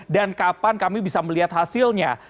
dan kapan kami bisa melihat hasilnya